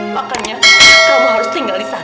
makanya kamu harus tinggal di sana